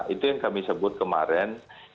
itu yang kami sebut kemarin